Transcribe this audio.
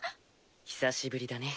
久しぶりだね。